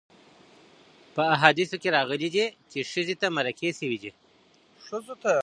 په احاديثو کي راغلي دي، چي ښځي ته مرکې سوي دي.